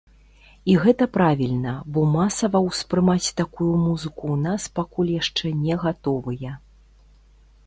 І гэта правільна, бо масава ўспрымаць такую музыку ў нас пакуль яшчэ не гатовыя.